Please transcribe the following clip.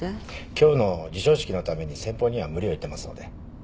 今日の授賞式のために先方には無理を言ってますので。